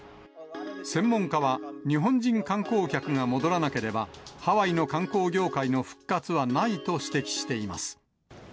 専門家は、日本人観光客が戻らなければ、ハワイの観光業界の復活はないと指摘しています。